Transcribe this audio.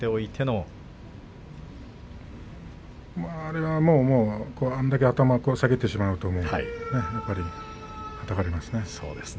あれだけ頭を下げてしまうと、やっぱりはたかれますね。